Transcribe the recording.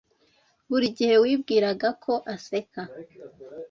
buri gihe wibwiraga ko aseka